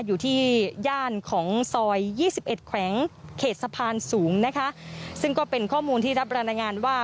อยู่ที่ย่านของซอยยี่สิบเอ็ดแขวงเขตสะพานสูงนะคะซึ่งก็เป็นข้อมูลที่รับรายงานว่า